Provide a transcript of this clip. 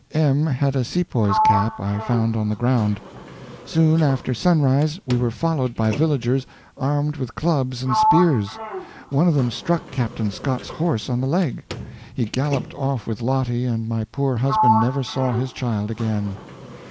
M had a sepoy's cap I found on the ground. Soon after sunrise we were followed by villagers armed with clubs and spears. One of them struck Captain Scott's horse on the leg. He galloped off with Lottie, and my poor husband never saw his child again.